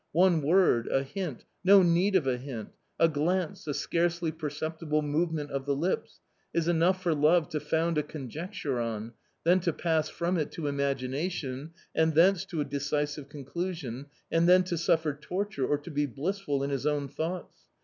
One word, a hint — no need of a hint ! a glance, a scarcely perceptible movement of the lips — is enough for love to found a con jecture on, then to pass from it to imagination, and thence to a decisive conclusion, and then to suffer torture or to be blissful in his own thoughts.